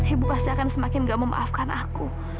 ibu pasti akan semakin gak memaafkan aku